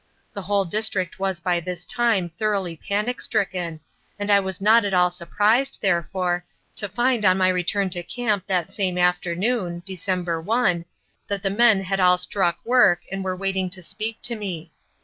The whole district was by this time thoroughly panic stricken, and I was not at all surprised, therefore, to find on my return to camp that same afternoon (December 1) that the men had all struck work and were waiting to speak to me.